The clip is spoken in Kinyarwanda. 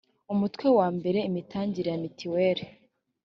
umutwe wa mbere imitangire ya mitiweri